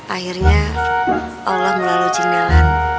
akhirnya allah melalui jingelan